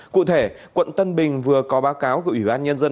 cụ thể quận tân bình vừa có báo cáo gửi ủy ban nhân dân